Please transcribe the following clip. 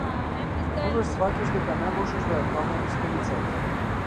Тогаш сфаќаш дека не можеш да ја промениш станицата.